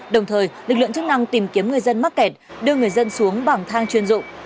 đồng thời lực lượng chức năng tìm kiếm người dân mắc kẹt đưa người dân xuống bằng thang chuyên dụng